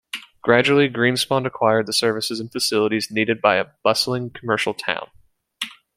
Gradually Greenspond acquired the services and facilities needed by a bustling commercial town.